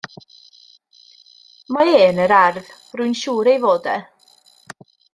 Mae e yn yr ardd, rwy'n siŵr ei fod e.